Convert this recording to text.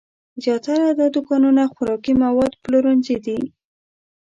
زیاتره دا دوکانونه خوراکي مواد پلورنځي دي.